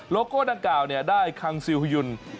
โก้ดังกล่าวได้คังซิลฮยุน